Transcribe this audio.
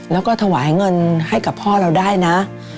แล้วก็ถวายเงินให้กับพ่อเราได้นะ